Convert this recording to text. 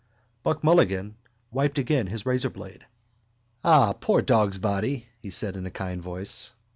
Buck Mulligan wiped again his razorblade. —Ah, poor dogsbody! he said in a kind voice.